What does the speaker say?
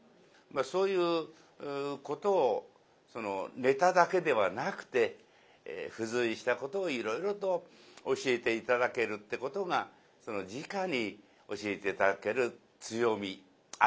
そういうことをネタだけではなくて付随したことをいろいろと教えて頂けるってことがじかに教えて頂ける強みありがたさではないかと思います。